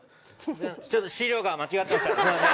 ちょっと資料が間違ってましたすいません。